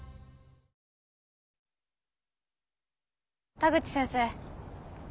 田口先生。